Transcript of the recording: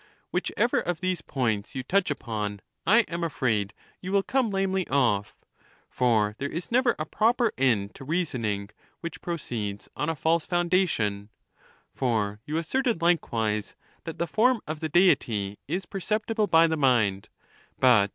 Whichever of these points you touch upon, I am afraid you will come lamely off. For there is never a proper end to reasoning which proceeds on a false foundation ; for you asserted likewise that the form of the Deity is perceptible by the mind, but THE NATURE OF THE GODS.